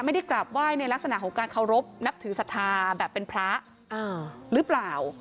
ไม่ได้กราบไหว้ในลักษณะของการเคารพนับถือศรัทธาแบบเป็นพระหรือเปล่า